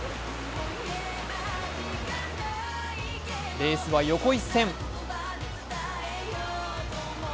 レースは横一線。